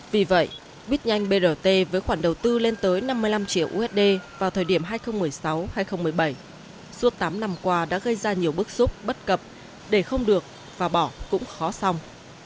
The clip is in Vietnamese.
vì vậy bít nhanh brt với khoản đầu tư lên tới năm mươi năm triệu usd vào thời điểm hai nghìn một mươi sáu hai nghìn một mươi bảy suốt tám năm qua đã gây ra nhiều bức xúc bất cập để không được và bỏ cũng khó xong